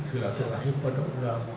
sila silahi pada ulama